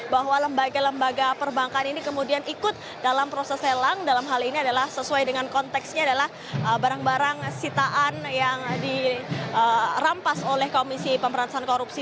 bahwa lembaga lembaga perbankan ini kemudian ikut dalam proses lelang dalam hal ini adalah sesuai dengan konteksnya adalah barang barang sitaan yang dirampas oleh komisi pemberantasan korupsi